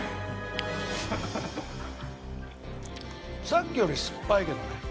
さっきよりすっぱいけどね。